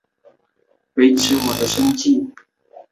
事后中国驻英国大使馆表示要求会议组织者向记者道歉。